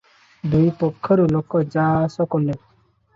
ଦୁଇପକ୍ଷରୁ ଲୋକ ଯା ଆସ କଲେ ।